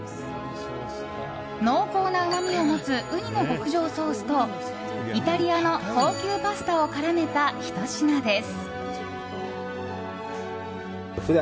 濃厚なうまみを持つウニの極上ソースとイタリアの高級パスタを絡めたひと品です。